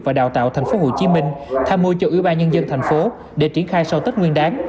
và đào tạo tp hcm tham mưu cho ủy ban nhân dân thành phố để triển khai sau tết nguyên đáng